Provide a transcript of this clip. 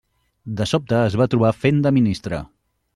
De sobte es va trobar fent de ministre.